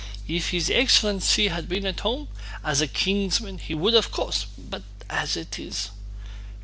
"If his excellency had been at home, as a kinsman he would of course... but as it is..."